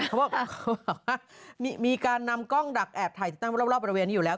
เขาบอกว่ามีการนำกล้องดักแอบถ่ายติดตั้งรอบบริเวณนี้อยู่แล้ว